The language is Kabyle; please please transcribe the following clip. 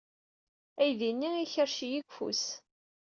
Aydi-nni ikerrec-iyi seg ufus.